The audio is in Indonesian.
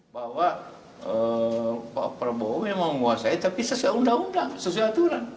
bahwa pak prabowo memang menguasai tapi sesuai undang undang sesuai aturan